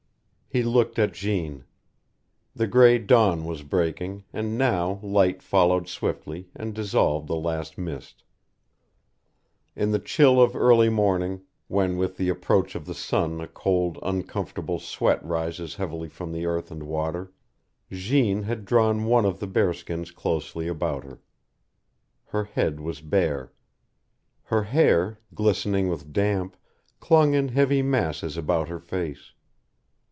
He looked at Jeanne. The gray dawn was breaking, and now light followed swiftly and dissolved the last mist. In the chill of early morning, when with the approach of the sun a cold, uncomfortable sweat rises heavily from the earth and water, Jeanne had drawn one of the bearskins closely about her. Her head was bare. Her hair, glistening with damp, clung in heavy masses about her face.